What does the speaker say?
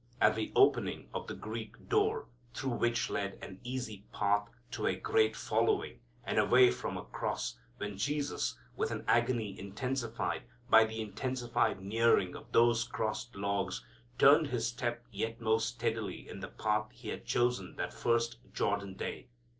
At the opening of the Greek door through which led an easy path to a great following, and away from a cross, when Jesus, with an agony intensified by the intensified nearing of those crossed logs, turned His step yet more steadily in the path He had chosen that first Jordan day.